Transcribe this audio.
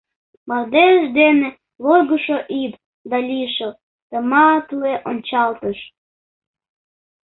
Мардеж дене лойгышо ӱп Да лишыл, тыматле ончалтыш.